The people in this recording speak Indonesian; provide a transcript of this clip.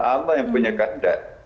allah yang punya kehanda